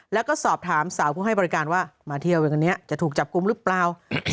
แล้วก็สอบถามสาวผู้ให้บริการว่ามาเที่ยวกันนี้จะถูกจับกุมหรือเปล่า